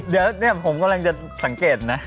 เดี๋ยวเนี่ยผมกำลังจะสังเกตนะ